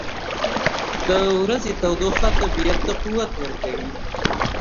• د ورځې تودوخه طبیعت ته قوت ورکوي.